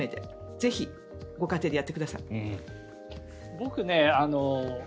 ぜひ、ご家庭でやってください。